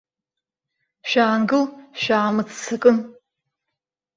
Шәаангыл, шәаамыццакын!